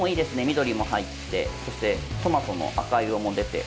緑も入って、トマトの赤色も出て。